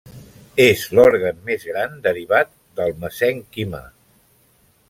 És l'òrgan més gran derivat del mesènquima.